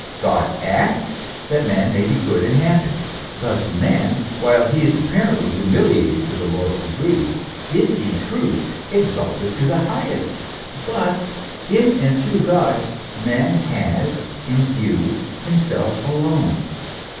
God acts, that man may be good and happy. Thus man, while he is apparently humiliated to the lowest degree, is in truth exalted to the highest. Thus, in and through God, man has in view himself alone.